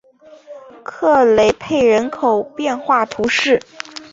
克雷佩人口变化图示